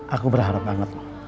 aku berharap banget loh